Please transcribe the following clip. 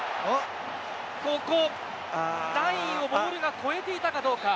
ここ、ラインをボールが越えていたかどうか。